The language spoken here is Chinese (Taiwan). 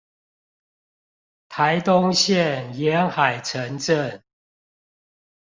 臺東縣沿海城鎮